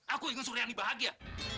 aku ingin suriani bahagia